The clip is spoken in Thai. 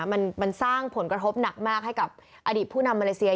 มันสร้างผลกระทบหนักมากให้กับอดีตผู้นำมาเลเซีย